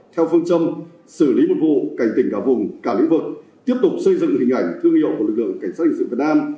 theo phương châm xử lý một vụ cảnh tỉnh cả vùng cả lĩnh vực tiếp tục xây dựng hình ảnh thương hiệu của lực lượng cảnh sát hình sự việt nam